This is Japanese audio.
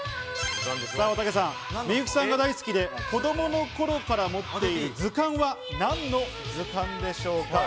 おたけさん、幸さんが大好きで子供の頃から持っている図鑑は何の図鑑でしょうか？